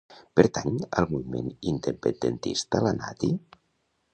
Pertany al moviment independentista la Nati?